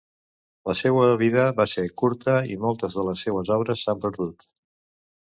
La seua vida va ser curta i moltes de les seues obres s'han perdut.